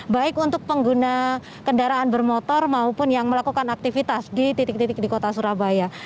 baik untuk pengguna kendaraan bermotor maupun yang melakukan aktivitas di titik titik di kota surabaya